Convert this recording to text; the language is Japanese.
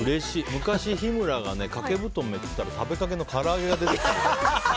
昔、日村が掛け布団めくったら食べかけのから揚げが出てきて。